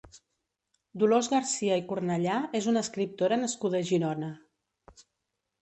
Dolors Garcia i Cornellà és una escriptora nascuda a Girona.